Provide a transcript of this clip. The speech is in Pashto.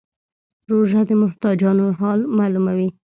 روژه د محتاجانو حال معلوموي.